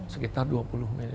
sekitar dua puluh miliar